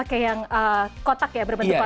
oke yang kotak ya berbentuk kotak ya